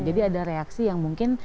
jadi ada reaksi yang mungkin